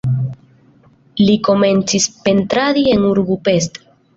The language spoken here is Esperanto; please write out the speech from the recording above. Li komencis pentradi en urbo Pest.